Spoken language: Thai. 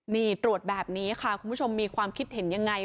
นี่ตรวจแบบนี้ค่ะคุณผู้ชมมีความคิดเห็นยังไง